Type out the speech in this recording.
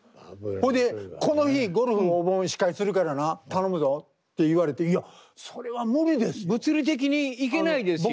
それで「この日ゴルフのおぼん司会するからな頼むぞ」って言われて「いやそれは無理です」と。物理的に行けないですよ。